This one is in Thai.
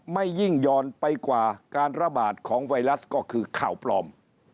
ไม่ยิ่งยอนไปกว่าการระบาดของไวรัสก็คือข่าวปลอม